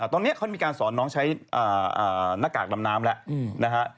ตอนนี้เขามีการสอนน้องใช้หน้ากากดำน้ำแล้วนะฮะ